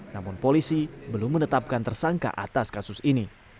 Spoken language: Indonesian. namun polisi belum menetapkan tersangka atas kasus ini